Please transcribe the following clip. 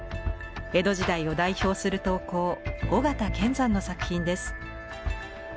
江戸時代を代表する陶工尾形乾山の作品です。